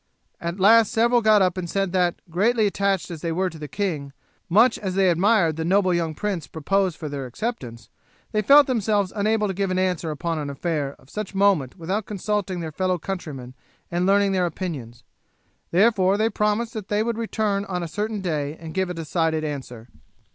At last several got up and said that, greatly attached as they were to the king, much as they admired the noble young prince proposed for their acceptance, they felt themselves unable to give an answer upon an affair of such moment without consulting their fellow countrymen and learning their opinions. They therefore promised that they would return on a certain day and give a decided answer.